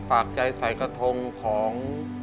ฝากใจใส่กระทงของ